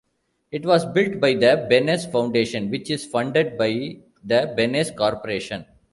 It was built by the Benesse Foundation which is funded by the Benesse Corporation.